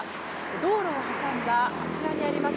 道路を挟んだあちらにあります